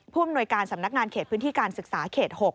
อำนวยการสำนักงานเขตพื้นที่การศึกษาเขต๖